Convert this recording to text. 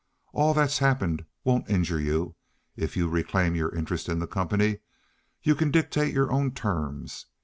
All that's happened won't injure you, if you reclaim your interest in the company. You can dictate your own terms.